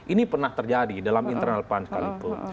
ini pernah terjadi dalam internal pan sekalipun